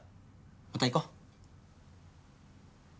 また行こう！